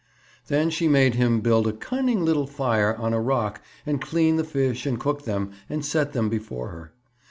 Then she made him build a "cunning little fire" on a rock and clean the fish and cook them and set them before her.